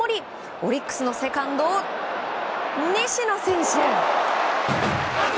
オリックスのセカンド西野選手。